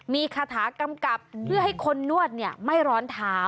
มีคาถากำกับเพื่อให้คนนวดไม่ร้อนเท้า